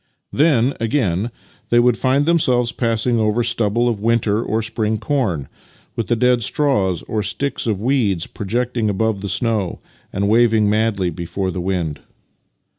Then, again, they would find themselves passing over stubble o£ winter or spring corn, with the dead straw or sticks of weeds projecting above the snow and waving madly before the w^ind.